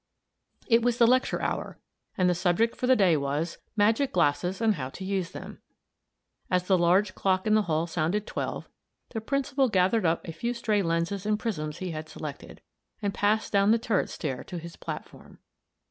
It was the lecture hour, and the subject for the day was, "Magic glasses, and how to use them." As the large clock in the hall sounded twelve, the Principal gathered up a few stray lenses and prisms he had selected, and passed down the turret stair to his platform.